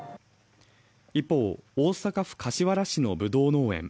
一方、大阪府柏原市のぶどう農園。